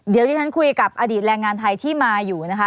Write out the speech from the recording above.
เดี๋ยวที่ฉันคุยกับอดีตแรงงานไทยที่มาอยู่นะคะ